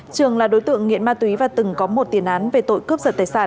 trường là đối tượng nghiện ma túy và từng có một tiền án về tội cướp giật tài sản